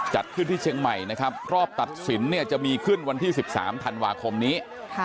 จัดขึ้นที่เชียงใหม่นะครับรอบตัดสินเนี่ยจะมีขึ้นวันที่๑๓ธันวาคมนี้